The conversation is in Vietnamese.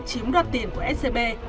chiếm đoạt tiền của scb